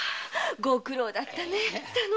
ご苦労だったねえ。